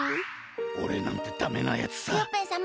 おれなんてダメなやつさ。